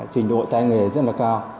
trình độ tai nghề rất là cao